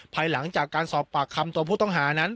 ภายหลังจากการสอบปากคำตัวผู้ต้องหานั้น